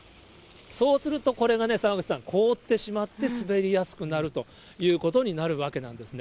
そうすると、これがね、澤口さん、凍ってしまって、滑りやすくなるということになるわけなんですね。